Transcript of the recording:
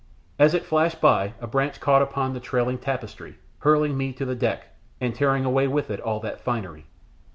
As it flashed by a branch caught upon the trailing tapestry, hurling me to the deck, and tearing away with it all that finery.